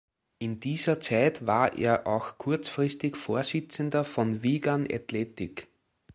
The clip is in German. In dieser Zeit war er auch kurzfristig Vorsitzender von Wigan Athletic.